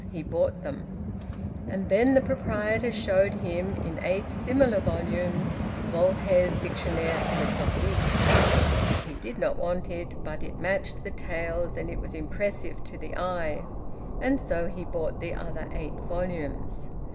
He bought them. And then the proprietor showed him, in eight similar volumes, Voltaire's "Dictionnaire Philosophique." He did not want it; but it matched the tales and it was impressive to the eye. And so he bought the other eight volumes.